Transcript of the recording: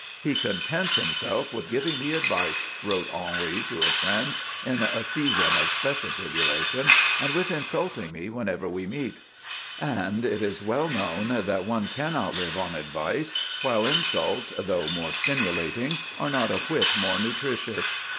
"He contents himself with giving me advice," wrote Henri to a friend, in a season of special tribulation, "and with insulting me whenever we meet." And it is well known that one cannot live on advice, while insults, though more stimulating, are not a whit more nutritious.